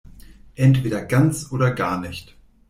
Entweder ganz oder gar nicht.